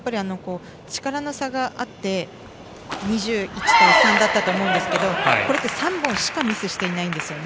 力の差があって２１対３だったと思うんですけどこれって３本しかミスしていないんですね。